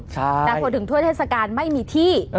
แต่ถึงทั่วเทศกาลไม่มีที่